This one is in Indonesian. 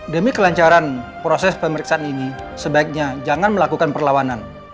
demi kelancaran proses pemeriksaan ini sebaiknya jangan melakukan perlawanan